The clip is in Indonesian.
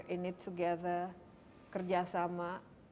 ini together kerjasama